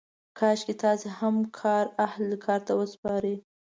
کاشکې تاسې هم کار اهل کار ته وسپارئ.